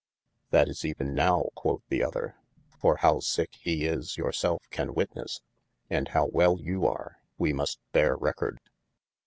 That is even nowe quod the other, for howe sicke he is your selfe can witnesse : and howe well you are we must beare recorde.